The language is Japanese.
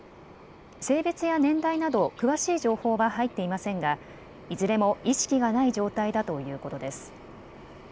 性別や年代など詳しい情報は入っていませんがいずれも意識がない状態だということです。